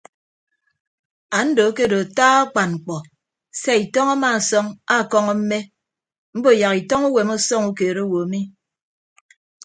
Ando akedo ata akpan mkpọ sia itọñ amaasọñ akọñọ mme mbo yak itọñ uwem ọsọñ ukeed owo mi.